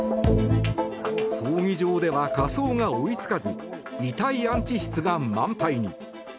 葬儀場では火葬が追い付かず遺体安置室が満杯に。